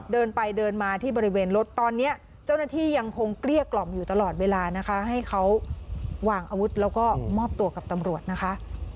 เดินไปเดินมาที่บริเวณรถตอนนี้เจ้าหน้าที่ยังคงเกลี้ยกล่อมอยู่ตลอดเวลานะคะให้เขาวางอาวุธแล้วก็มอบตัวกับตำรวจนะคะ